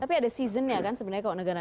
tapi ada season ya kan sebenarnya